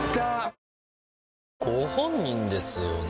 ご本人ですよね？